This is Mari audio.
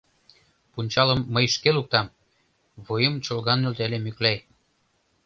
— Пунчалым мый шке луктам! — вуйым чолган нӧлтале Мӱклай.